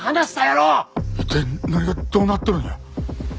一体何がどうなっとるんや？